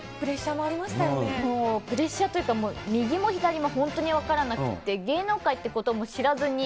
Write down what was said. もう、プレッシャーというか、もう右も左も本当に分からなくって、芸能界ってことも知らずに。